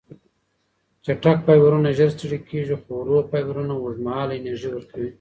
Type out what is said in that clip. چټک فایبرونه ژر ستړې کېږي، خو ورو فایبرونه اوږدمهاله انرژي ورکوي.